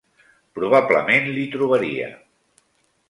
Probablement l'hi trobaria.